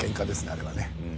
あれはね。